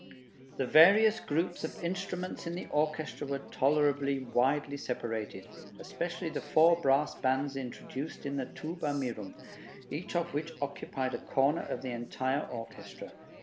The various groups of instruments in the orchestra were tolerably widely separated, especially the four brass bands introduced in the 'Tuba mirum,' each of which occupied a corner of the entire orchestra.